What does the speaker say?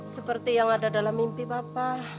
seperti yang ada dalam mimpi bapak